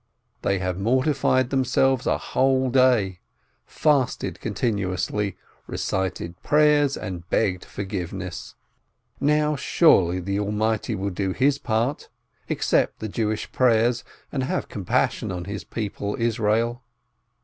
They have mortified themselves a whole day, fasted continuously, recited prayers, and begged forgiveness ! Now surely the Almighty will do His part, accept the Jewish prayers and have compassion on His people Israel.